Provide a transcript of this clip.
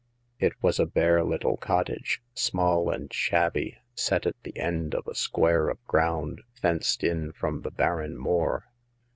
It was a bare little cottage, small and shabby, set at the end of a square of ground fenced in from the barren moor.